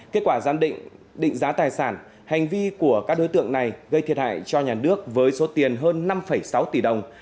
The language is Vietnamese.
kết quả giám định định giá tài sản hành vi của các đối tượng này gây thiệt hại cho nhà nước với số tiền hơn năm sáu tỷ đồng